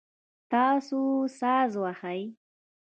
تاسو ساز وهئ؟